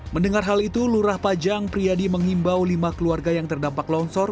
mendengar hal itu lurah pajang priyadi menghimbau lima keluarga yang terdampak longsor